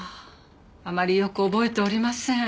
あまりよく覚えておりません。